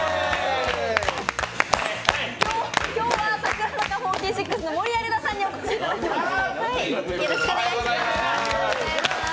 今日は櫻坂４６の守屋麗奈さんにお越しいただきました。